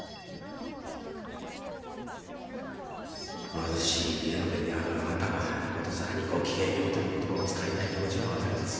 貧しい家の出であるあなたが殊更に「ごきげんよう」という言葉を使いたい気持ちは分かります。